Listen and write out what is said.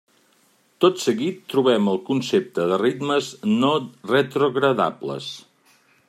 Tot seguit trobem el concepte de ritmes no retrogradables.